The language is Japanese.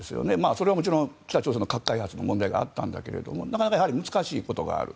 それはもちろん北朝鮮の核開発の問題があったんだけれども難しいことがある。